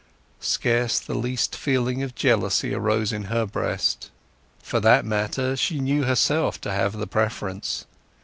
Scarce the least feeling of jealousy arose in her breast. For that matter she knew herself to have the preference.